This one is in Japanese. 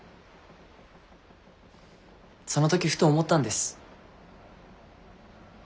その時ふと思ったんです。